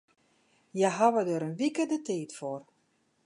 Hja hawwe dêr in wike de tiid foar.